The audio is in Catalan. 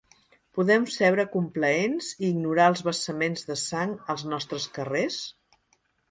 Podem seure complaents i ignorar el vessament de sang als nostres carrers?